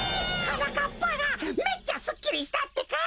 はなかっぱがめっちゃすっきりしたってか！